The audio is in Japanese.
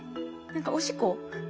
何かおしっこ？